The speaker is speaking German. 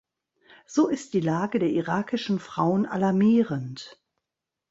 So ist die Lage der irakischen Frauen alarmierend.